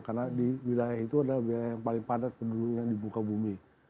karena di wilayah itu adalah wilayah yang paling padat yang dibuka bumi